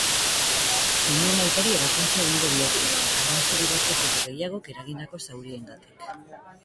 Umeen aitari ebakuntza egingo diote, arma zuri batek edo gehiagok eragindako zauriengatik.